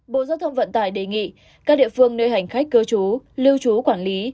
bộ giao thông vận tải đề nghị các địa phương nơi hành khách cơ chú lưu chú quản lý